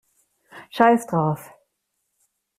Scheiß drauf!